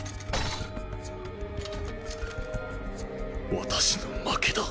私の負けだ。